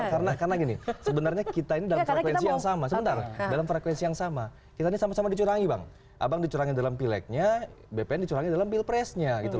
tjadinya sayain begini sebenarnya kita ini dalam frekuensi yang sama sebentar kalian dan aku disurangi bang abang disurangi dalam pileg nya bpn disurangi dalam pilpres nya